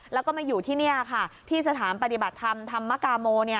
แล้วก็มาอยู่ที่นี่ค่ะที่สถานปฏิบัติธรรมธรรมกาโม